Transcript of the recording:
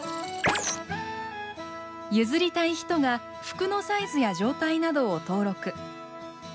譲りたい人が服のサイズや状態などを登録。